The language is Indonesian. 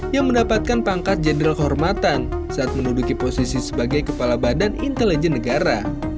yang mendapatkan pangkat jenderal kehormatan saat menuduki posisi sebagai kepala badan intelijen negara